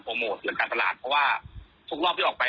เพราะว่าทุกรอบที่ออกไป